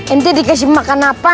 ini dikasih makan apa